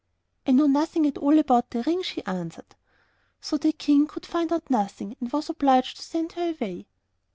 'I know nothing at all about the ring,' she answered. So the King could find out nothing, and was obliged to send her away.